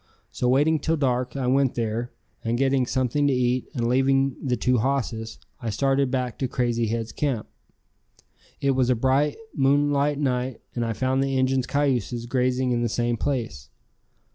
So waiting till dark I went there, and getting something to eat and leaving the two hosses, I started back to Crazy Head's camp. It was a bright, moonlight night and I found the Injuns' cayuses grazing in the same place.